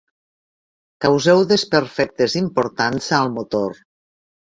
Causeu desperfectes importants al motor.